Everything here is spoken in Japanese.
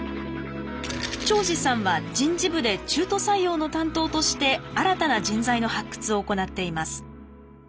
長司さんは人事部で中途採用の担当として新たな人材の発掘を行っています。